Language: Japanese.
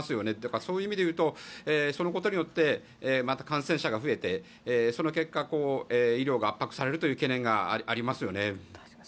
そういう意味でいうとそのことによってまた感染者が増えてその結果医療が圧迫されるという懸念がありますよね。